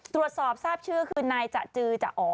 ตรวจสอบทราบชื่อคือนายจะจือจะอ๋อ